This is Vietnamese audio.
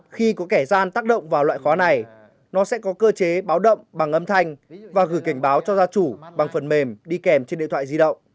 khi có kẻ gian tác động vào loại khóa này nó sẽ có cơ chế báo động bằng âm thanh và gửi cảnh báo cho gia chủ bằng phần mềm đi kèm trên điện thoại di động